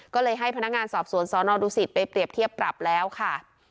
ก็เลยให้พนักงานสอบสวนสนดุสิตไปเปรียบเทียบปรับแล้วค่ะ